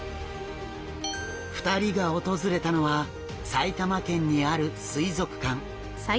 ２人が訪れたのは埼玉県にある水族館。